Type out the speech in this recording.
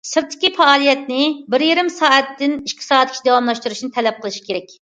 سىرتتىكى پائالىيەتنى بىر يېرىم سائەتتىن ئىككى سائەتكىچە داۋاملاشتۇرۇشنى تەلەپ قىلىش كېرەك.